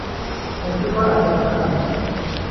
ฉันคิดว่าอาจจะสำคัญ